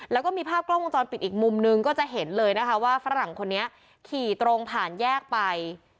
แล้วก็มีภาพกล้องวงจรปิดอีกมุมนึงก็จะเห็นเลยนะคะว่าฝรั่งคนนี้ขี่ตรงผ่านแยกไป